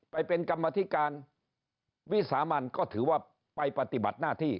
ไปเป็นกรรมธิการวิสามันก็ถือว่าไปปฏิบัติหน้าที่